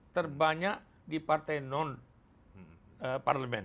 terbanyak di partai non parlemen